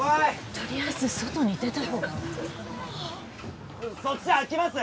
とりあえず外に出たほうがそっち開きます？